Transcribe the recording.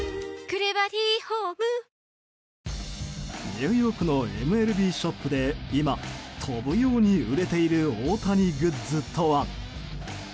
ニューヨークのＭＬＢショップで今飛ぶように売れている大谷グッズとは。